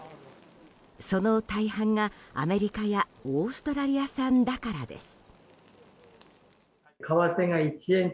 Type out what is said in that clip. その大半が、アメリカやオーストラリア産だからです。